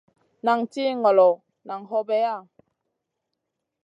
Nan tih ŋolo, nan hobeya.